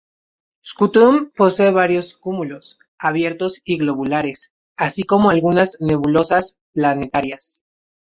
Scutum posee varios cúmulos abiertos y globulares, así como algunas nebulosas planetarias.